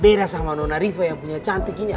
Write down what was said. beda sama nona riva yang punya cantik ini